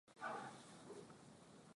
andaa moto wako wa kupikia viazi lishe